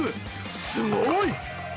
すごい！